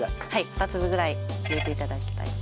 ２粒ぐらい入れて頂きたい。